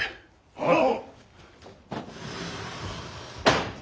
はっ！